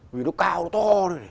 vì nó cao nó to